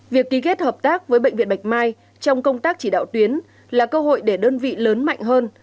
việc ký kết hợp tác với bệnh viện bạch mai trong công tác chỉ đạo tuyến là cơ hội để đơn vị lớn mạnh hơn